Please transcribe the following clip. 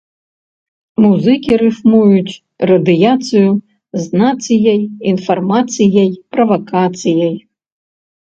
Музыкі рыфмуюць радыяцыю з нацыяй, інфармацыяй, правакацыяй.